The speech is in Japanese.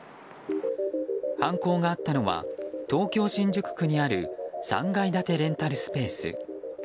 犯行があったのは東京・新宿区にある３階建てレンタルスペース。